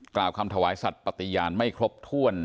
กล่าวคำถวายสัตว์ปฏิญาณไม่ครบถ้วน